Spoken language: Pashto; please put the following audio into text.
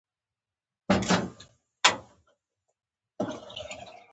د نرخ لوړوالی باید دلیل ولري.